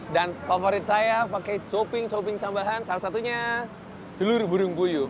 dan favorit saya pakai topping topping tambahan salah satunya telur burung puyuh